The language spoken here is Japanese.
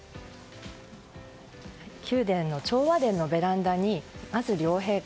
宮殿の長和殿のベランダにまず両陛下